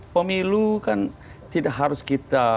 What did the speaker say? pemilu kan tidak harus kita